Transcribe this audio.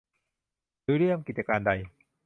หรือริเริ่มกิจการใด